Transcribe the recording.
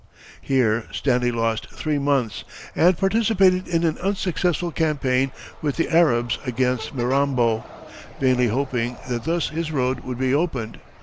Here Stanley lost three months, and participated in an unsuccessful campaign with the Arabs against Mirambo, vainly hoping that thus his road would be opened.